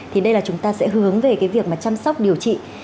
thì đây là chúng ta sẽ hướng về cái việc mà chăm sóc điều trị